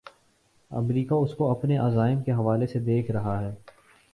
امریکہ اس کو اپنے عزائم کے حوالے سے دیکھ رہا ہے۔